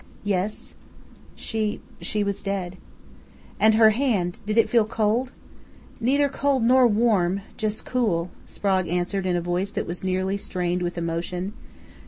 "Yes?" "She she was dead." "And her hand did it feel cold?" "Neither cold nor warm just cool," Sprague answered in a voice that was nearly strangled with emotion.